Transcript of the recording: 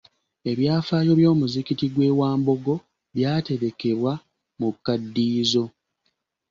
Ebyafaayo by'omuzikiti gwewa Mbogo byaterekebwa mu kkadiyizo.